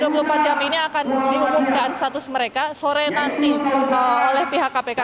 dua puluh empat jam ini akan diumumkan status mereka sore nanti oleh pihak kpk